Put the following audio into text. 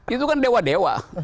itu kan dewa dewa